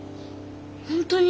本当に？